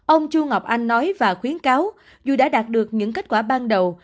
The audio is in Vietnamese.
ông chu ngọc anh nói và khuyến cáo dù đã đạt được những kết quả ban đầu